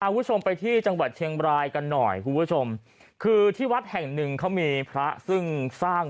คุณผู้ชมไปที่จังหวัดเชียงบรายกันหน่อยคุณผู้ชมคือที่วัดแห่งหนึ่งเขามีพระซึ่งสร้าง